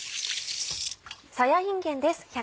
さやいんげんです。